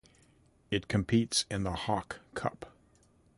It competes in the Hawke Cup.